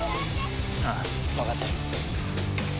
あぁ分かってる。